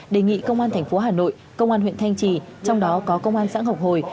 đề nghị công an thành phố hà nội công an huyện thanh trì trong đó có công an xã ngọc hồi